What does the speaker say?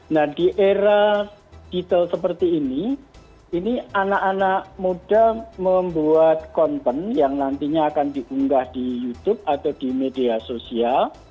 nah di era detail seperti ini ini anak anak muda membuat konten yang nantinya akan diunggah di youtube atau di media sosial